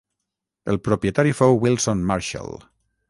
El propietari fou Wilson Marshall.